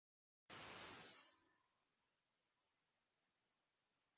Ez bilind nabim.